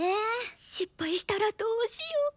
失敗したらどうしよ。